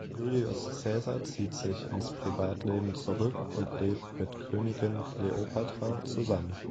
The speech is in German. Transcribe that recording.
Julius Cäsar zieht sich ins Privatleben zurück und lebt mit Königin Kleopatra zusammen.